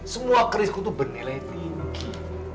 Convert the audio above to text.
semua kerisku itu bernilai tinggi